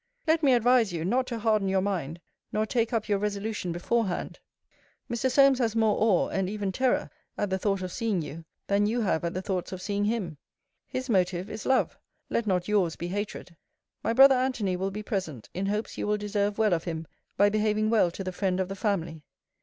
Let me advise you, not to harden your mind; nor take up your resolution beforehand. Mr. Solmes has more awe, and even terror, at the thought of seeing you, than you can have at the thoughts of seeing him. His motive is love; let not yours be hatred. My brother Antony will be present, in hopes you will deserve well of him, by behaving well to the friend of the family.